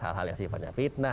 hal hal yang sifatnya fitnah